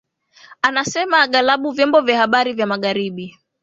anasema aghalab vyombo vya habari vya magharibi